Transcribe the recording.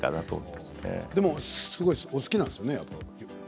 でも洋服お好きなんですよね？